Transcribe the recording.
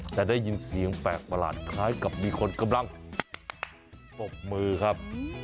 แต่ได้ยินเสียงแปลกประหลาดคล้ายกับมีคนกำลังปรบมือครับ